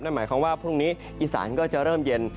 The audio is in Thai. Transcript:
หมายความว่าพรุ่งนี้อีสานก็จะเริ่มเย็น